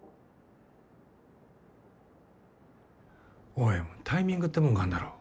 おいタイミングってもんがあるだろ。